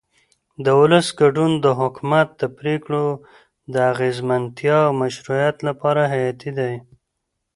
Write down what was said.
د ولس ګډون د حکومت د پرېکړو د اغیزمنتیا او مشروعیت لپاره حیاتي دی